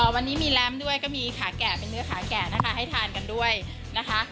วันนี้มีแรมด้วยก็มีขาแก่เป็นเนื้อขาแก่นะคะให้ทานกันด้วยนะคะ